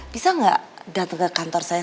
bisa gak dateng ke kantor saya